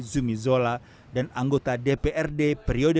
zumi zola dan anggota dprd periode dua ribu empat belas dua ribu sembilan belas